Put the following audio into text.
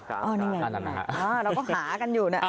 เราก็หากันอยู่นะ